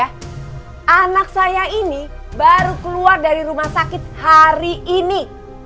nah anak saya ini baru keluar dari rumah sakit hari ini